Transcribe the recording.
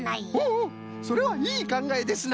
おおそれはいいかんがえですな！